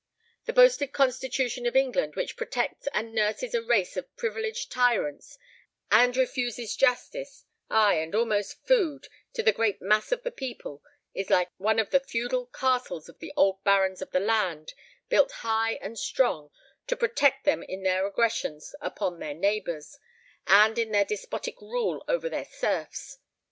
The boasted constitution of England, which protects and nurses a race of privileged tyrants, and refuses justice ay, and almost food to the great mass of the people, is like one of the feudal castles of the old barons of the land, built high and strong, to protect them in their aggressions upon their neighbours, and in their despotic rule over their serfs.